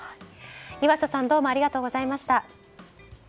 岩佐さんどうもありがとうございました。